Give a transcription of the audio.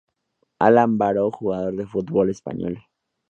Alan Baró, jugador de fútbol español.